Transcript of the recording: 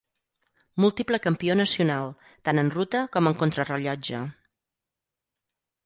Múltiple campió nacional, tant en ruta com en contrarellotge.